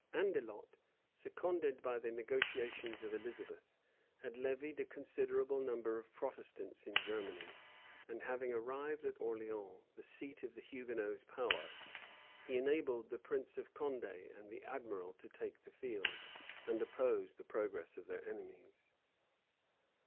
Andelot, seconded by the negotiations of Elizabeth, had levied a considerable body of Protestants in Germany; and having arrived at Orleans, the seat of the Hugonots' power, he enabled the prince of Condé and the admiral to take the field, and oppose the progress of their enemies.